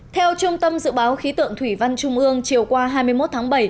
theo trung tâm dự báo khí tượng thủy văn trung ương chiều qua hai mươi một tháng bảy